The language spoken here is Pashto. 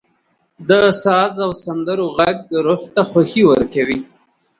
• د ساز او سندرو ږغ روح ته خوښي ورکوي.